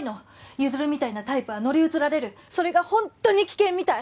譲みたいなタイプは乗り移られるそれがホントに危険みたい